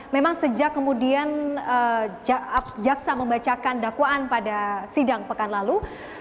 memang sejak kemudian jaksa membacakan dakwaan pada sidang pekan lalu